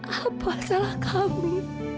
apa salah kami